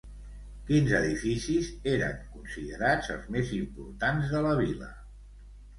Quins edificis eren considerats els més importants de la vila?